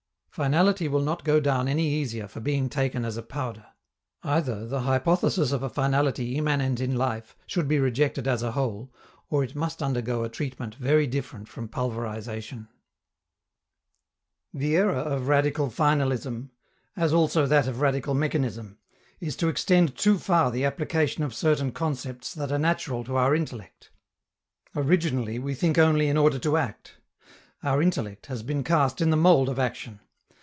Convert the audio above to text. Finality will not go down any easier for being taken as a powder. Either the hypothesis of a finality immanent in life should be rejected as a whole, or it must undergo a treatment very different from pulverization. The error of radical finalism, as also that of radical mechanism, is to extend too far the application of certain concepts that are natural to our intellect. Originally, we think only in order to act. Our intellect has been cast in the mold of action.